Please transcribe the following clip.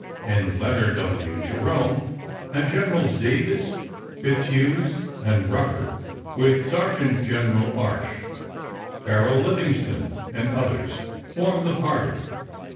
and Leonard W. Jerome, and Generals Davis, Fitzhughes, and Rucker, with Sergeant General Arsch, Carrol Livingston, and others, formed the party.